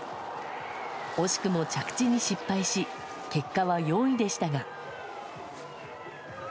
惜しくも着地に失敗し結果は４位でしたが。